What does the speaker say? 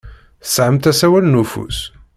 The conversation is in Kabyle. Tesɛamt asawal n ufus?